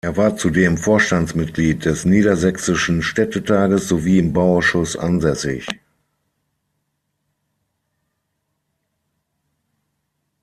Er war zudem Vorstandsmitglied des Niedersächsischen Städtetages sowie im Bauausschuss ansässig.